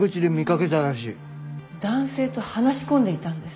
男性と話し込んでいたんです。